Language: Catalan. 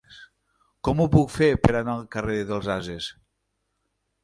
Com ho puc fer per anar al carrer dels Ases?